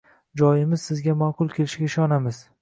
Joyimiz sizga ma’qul kelishiga ishonamiz.